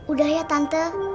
udah ya tante